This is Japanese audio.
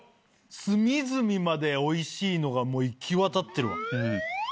隅々までおいしいのが行きわたってるわ。